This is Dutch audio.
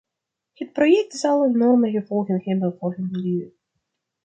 Het project zal enorme gevolgen hebben voor het milieu.